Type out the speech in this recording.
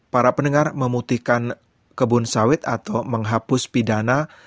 para pendengar memutihkan kebun sawit atau menghapus pidana